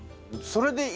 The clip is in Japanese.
それで？